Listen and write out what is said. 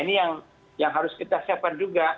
ini yang harus kita siapkan juga